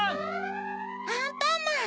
・アンパンマン！